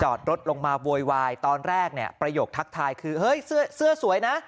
รถลงมาโวยวายตอนแรกเนี่ยประโยคทักทายคือเฮ้ยเสื้อสวยนะ